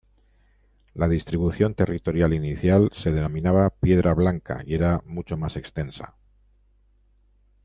La distribución territorial inicial se denominaba Piedra Blanca y era mucho más extensa.